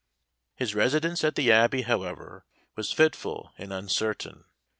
His residence at the Abbey, however, was fitful and uncertain.